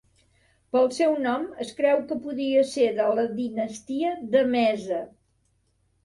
Pel seu nom es creu que podia ser de la dinastia d'Emesa.